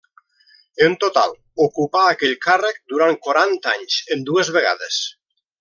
En total ocupà aquell càrrec durant quaranta anys en dues vegades.